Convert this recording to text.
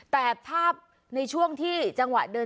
แต่ภาพในช่วงที่จังหวะเดิน